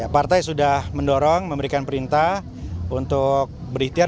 partai sudah mendorong memberikan perintah untuk berikhtiar